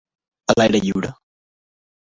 A l'aire lliure.